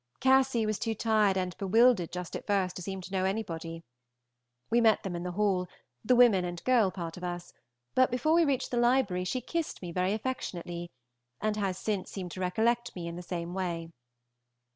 Cassy was too tired and bewildered just at first to seem to know anybody. We met them in the hall the women and girl part of us but before we reached the library she kissed me very affectionately, and has since seemed to recollect me in the same way.